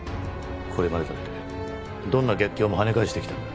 これまでだってどんな逆境もはね返してきたんだ。